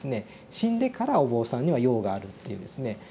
「死んでからお坊さんには用がある」っていうですね